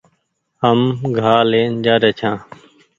هم گآ لين جآري ڇآن